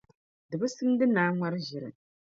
Di bi simdi ni a ŋmari ʒiri